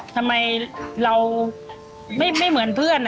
ทำไมเราไม่เหมือนเพื่อน